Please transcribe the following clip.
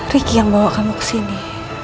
riki yang bawa kamu kesini